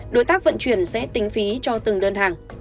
đối tác vận chuyển sẽ tính phí cho từng đơn hàng